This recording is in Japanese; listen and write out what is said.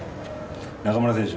中村選手